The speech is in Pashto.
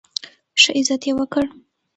ښه عزت یې وکړ.